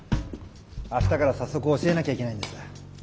明日から早速教えなきゃいけないんです。